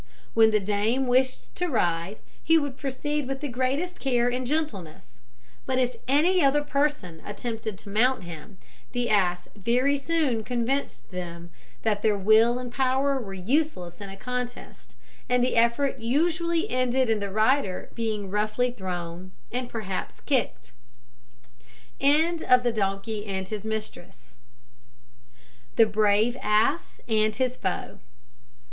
When the dame wished to ride, he would proceed with the greatest care and gentleness; but if any other person attempted to mount him, the ass very soon convinced them that their will and power were useless in a contest, and the effort usually ended in the rider being roughly thrown, and perhaps kicked. THE BRAVE ASS AND HIS FOE.